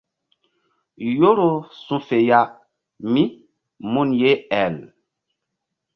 Yoro su̧ fe ya mí mun ye el.